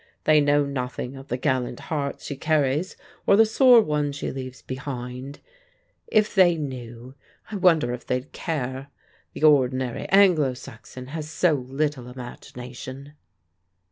They know nothing of the gallant hearts she carries or the sore ones she leaves behind. If they knew, I wonder if they'd care? The ordinary Anglo Saxon has so little imagination!"